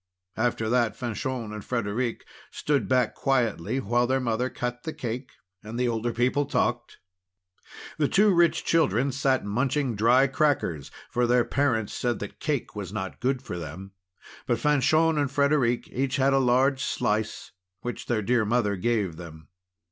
After that Fanchon and Frederic stood back quietly, while their mother cut the cake, and the older people talked. The two rich children sat munching dry crackers, for their parents said that cake was not good for them. But Fanchon and Frederic each had a large slice, which their dear mother gave them.